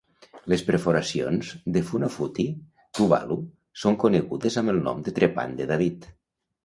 Les perforacions de Funafuti (Tuvalu) són conegudes amb el nom de "trepant de David".